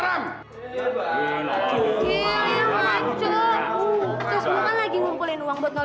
itu yang benar